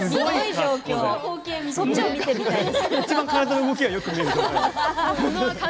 そっちを見てみたい。